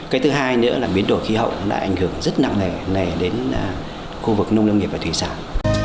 cái thứ hai nữa là biến đổi khí hậu đã ảnh hưởng rất nặng nề này đến khu vực nông lâm nghiệp và thủy sản